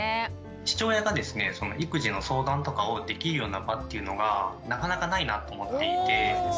父親がですね育児の相談とかをできるような場っていうのがなかなかないなと思っていて。